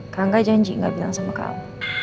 kangga janji gak bilang sama kamu